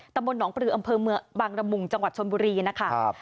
ตำบลหนองปลืออำเภอเมืองบางระมุงจังหวัดชนบุรีนะคะ